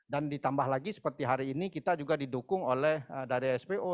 dan ditambah lagi seperti hari ini kita juga didukung oleh dari spo